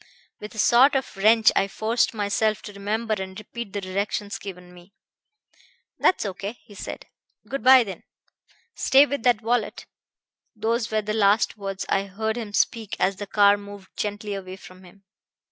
With a sort of wrench I forced myself to remember and repeat the directions given me. 'That's O. K.,' he said. 'Good by, then. Stay with that wallet.' Those were the last words I heard him speak as the car moved gently away from him."